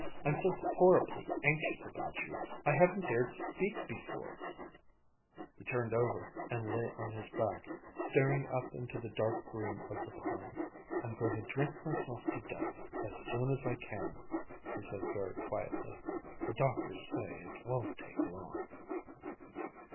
I'm so horribly anxious about you. I haven't dared speak before " He turned over and lay on his back, staring up into the dark green of the pine. "I'm going to drink myself to death as soon as I can," he said very quietly. "The doctors say it won't take long."